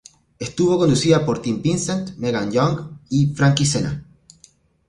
Estuvo conducida por Tim Vincent, Megan Young y Frankie Cena.